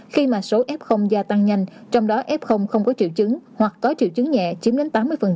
khi mà số f gia tăng nhanh trong đó f không có triệu chứng hoặc có triệu chứng nhẹ chiếm đến tám mươi